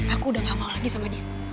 aku udah gak mau lagi sama dia